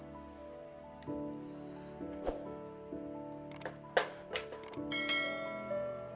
kok lo masih bisa